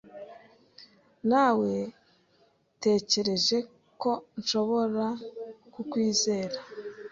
Nawetekereje ko nshobora kukwizera, .